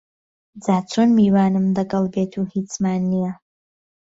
جاچون میوانم دەگەل بێت و هیچمان نییە